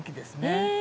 へえ！